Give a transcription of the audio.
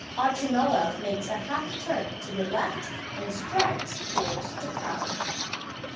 Otchumyelov makes a half turn to the left and strides towards the crowd.